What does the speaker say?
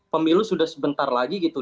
pemilu sudah sebentar lagi gitu